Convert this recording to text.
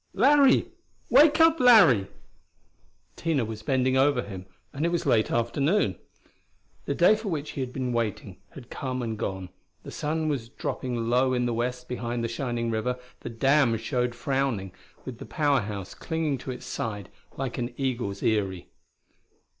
"Larry! Wake up, Larry!" Tina was bending over him, and it was late afternoon! The day for which he had been waiting had come and gone; the sun was dropping low in the west behind the shining river; the dam showed frowning, with the Power House clinging to its side like an eagle's eyrie.